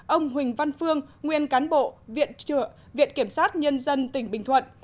ông huỳnh văn phương nguyên cán bộ viện kiểm sát nhân dân tỉnh bình thuận